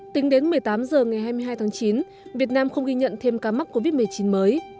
tính đến một mươi tám h ngày hai mươi hai tháng chín việt nam không ghi nhận thêm ca mắc covid một mươi chín mới